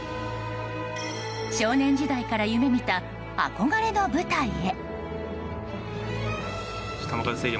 少年時代から夢見た憧れの舞台へ。